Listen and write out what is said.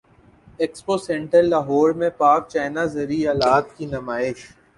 expo centre Lahore میں Pak China زرعی الات کی نمائش